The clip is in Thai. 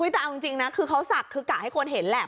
แต่เอาจริงนะคือเขาศักดิ์คือกะให้คนเห็นแหละ